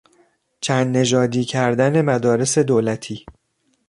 چند نژادی کردن مدارس دولتی